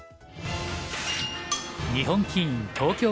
日本棋院東京